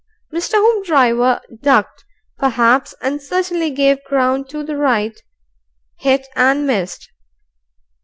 Mr. Hoopdriver ducked perhaps and certainly gave ground to the right, hit, and missed.